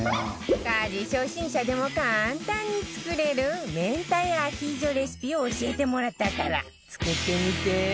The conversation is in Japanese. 家事初心者でも簡単に作れる明太アヒージョレシピを教えてもらったから作ってみて